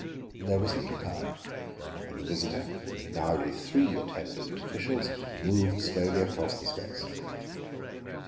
There was little time, and the visitor, now with three attendant officials, moved slowly across the space.